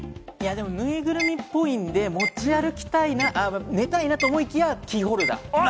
ぬいぐるみっぽいんで持ち歩きたいな、寝たいなと思いきや、キーホルダー。